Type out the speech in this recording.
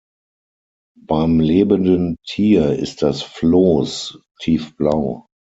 Beim lebenden Tier ist das Floß tiefblau.